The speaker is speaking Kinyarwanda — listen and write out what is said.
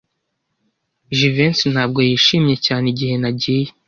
Jivency ntabwo yishimye cyane igihe nagiye.